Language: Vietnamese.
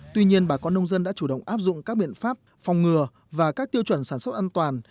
tuy nhiên bà con nông dân đã chủ động áp dụng các biện pháp phòng ngừa và các tiêu chuẩn sản xuất an toàn